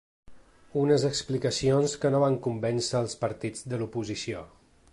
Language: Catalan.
Unes explicacions que no van convèncer als partits de l’oposició.